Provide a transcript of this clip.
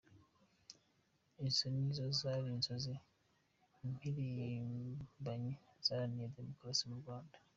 Izo nizo zari inzozi impirimbanyi zaharaniye Demukarasi mu Rwanda.